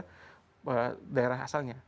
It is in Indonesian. ke daerah asalnya